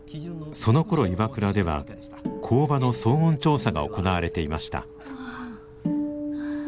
そのころＩＷＡＫＵＲＡでは工場の騒音調査が行われていました。